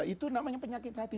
itu namanya penyakit hati